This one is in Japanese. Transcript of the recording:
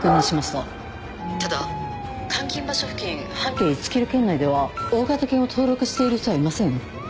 ただ監禁場所付近半径１ｋｍ圏内では大型犬を登録している人はいません。